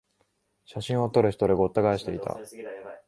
写真を撮る人でごった返していた